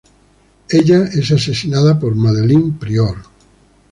Ella es asesinada por Madelyne Pryor.